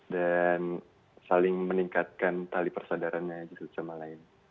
dan saling meningkatkan tali persadarannya di suatu sama lain